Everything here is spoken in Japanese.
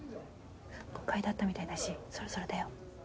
誤解だったみたいだしそろそろ出よう。